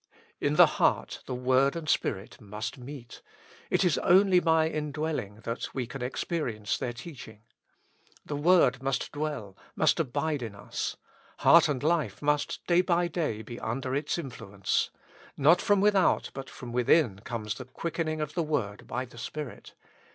In the heart the word and Spirit must meet : it is only by indwelling that we can experience their teaching. The word must dwell, must abide in us : heart and life must day by day be under its influence. Not from without, but from within, comes the quickening of the word by the Spirit.